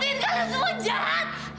lepaskan kalian semua jahat